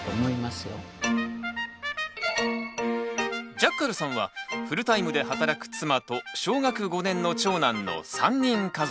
ジャッカルさんはフルタイムで働く妻と小学５年の長男の３人家族。